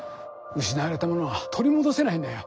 失われたものは取り戻せないんだよ。